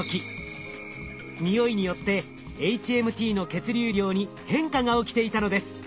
匂いによってｈＭＴの血流量に変化が起きていたのです。